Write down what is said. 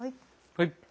はい。